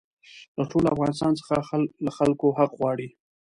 له ټول افغانستان څخه له خلکو حق غواړي.